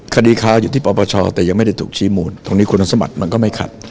คดีค้าอยู่ที่ปปชแต่ยังไม่ได้ถูกชี้มูลตรงนี้คุณสมัครมันก็ไม่ขัด